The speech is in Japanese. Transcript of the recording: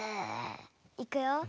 いくよ。